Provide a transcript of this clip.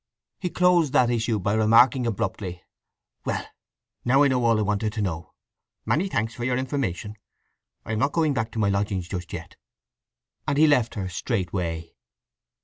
He closed that issue by remarking abruptly: "Well—now I know all I wanted to know. Many thanks for your information. I am not going back to my lodgings just yet." And he left her straightway.